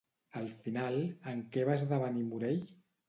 Al final, en què va esdevenir Morell?